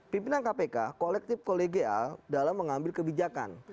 pimpinan kpk kolektif kolegial dalam mengambil kebijakan